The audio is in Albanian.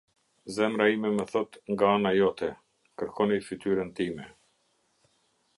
Zemra ime më thotë nga ana jote: "Kërkoni fytyrën time".